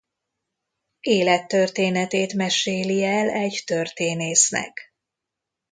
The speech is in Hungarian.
Élettörténetét meséli el egy történésznek.